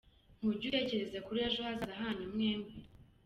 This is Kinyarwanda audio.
Ntujya utekereza kuri ejo hazaza hanyu mwembi.